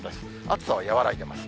暑さは和らいでます。